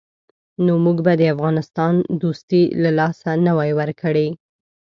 نو موږ به د افغانستان دوستي له لاسه نه وای ورکړې.